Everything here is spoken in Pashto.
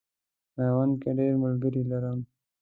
میوند کې ډېر ملګري لرم.